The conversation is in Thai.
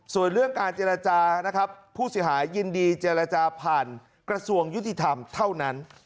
ส่วนเรื่องการเจรจานะครับผู้เสียหายยินดีเจรจาผ่านกระทรวงยุติธรรมเท่านั้น